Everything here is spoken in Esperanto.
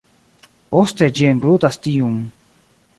Poste ĝi englutas tiun.